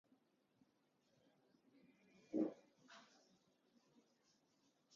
Ըստ ավանդույթի գարեջուրը մատուցվում է գարեջրատներում։